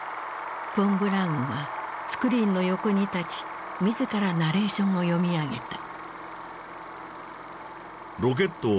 フォン・ブラウンはスクリーンの横に立ち自らナレーションを読み上げた。